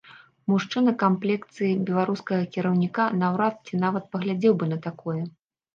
Мужчына камплекцыі беларускага кіраўніка наўрад ці нават паглядзеў бы на такое.